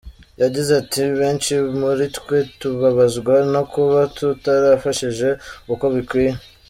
Yagize ati “Abenshi muri twe tubabazwa no kuba tutarafashije uko bikwiye.